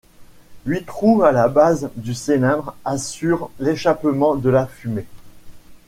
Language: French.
Huit trous à la base du cylindre assurent l'échappement de la fumée.